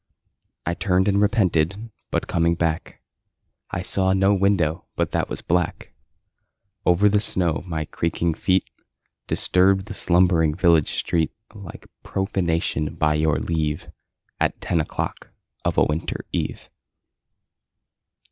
I turned and repented, but coming back I saw no window but that was black. Over the snow my creaking feet Disturbed the slumbering village street Like profanation, by your leave, At ten o'clock of a winter eve.